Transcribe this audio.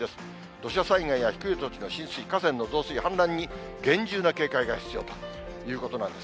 土砂災害や低い土地の浸水、河川の増水、氾濫に厳重な警戒が必要ということなんです。